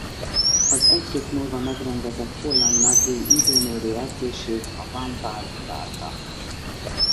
Az egy hét múlva megrendezett holland nagydíj időmérő edzését a Vanwall uralta.